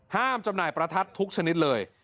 จำหน่ายประทัดทุกชนิดเลย